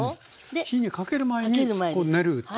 火にかける前に練るということ。